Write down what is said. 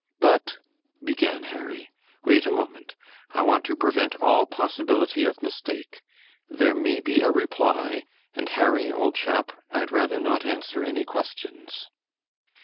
"But " began Harry. "Wait a moment. I want to prevent all possibility of mistake. There may be a reply, and Harry, old chap, I'd rather not answer any questions."